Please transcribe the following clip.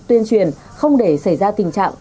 tuyên truyền không để xảy ra tình trạng